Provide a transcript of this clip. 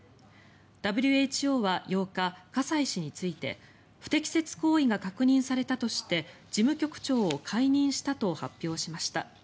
ＷＨＯは８日、葛西氏について不適切行為が確認されたとして事務局長を解任したと発表しました。